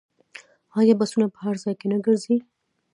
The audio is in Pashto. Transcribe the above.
آیا بسونه په هر ځای کې نه ګرځي؟